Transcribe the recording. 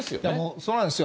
そうなんですよ。